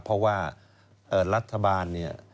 เพราะว่ารัฐบาลเนี่ย